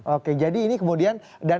oke jadi ini kemudian